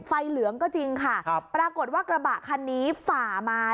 เหลืองก็จริงค่ะครับปรากฏว่ากระบะคันนี้ฝ่ามา